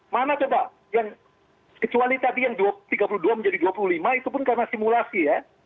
mana coba yang kecuali tadi yang tiga puluh dua menjadi dua puluh lima itu pun karena simulasi ya